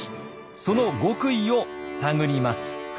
その極意を探ります。